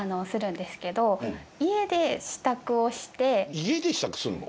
家で支度すんの？